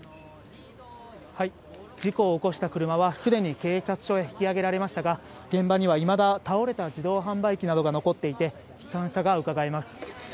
事故を起こした車はすでに警察署へ引き上げられましたが、現場にはいまだ、倒れた自動販売機などが残っていて、悲惨さがうかがえます。